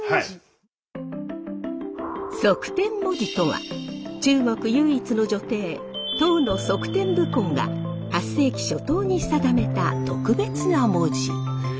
則天文字とは中国唯一の女帝唐の則天武后が８世紀初頭に定めた特別な文字。